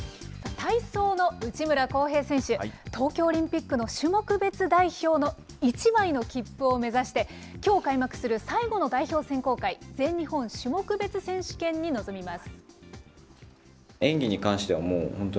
体操の内村航平選手、東京オリンピックの種目別代表の１枚の切符を目指して、きょう開幕する最後の代表選考会、全日本種目別選手権に臨みます。